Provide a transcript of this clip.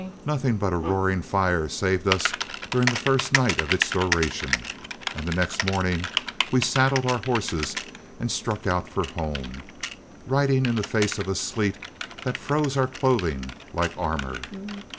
Nothing but a roaring fire saved us during the first night of its duration, and the next morning we saddled our horses and struck out for home, riding in the face of a sleet that froze our clothing like armor.